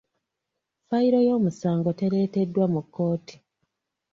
Fayiro y’omusango tereeteddwa mu kkooti.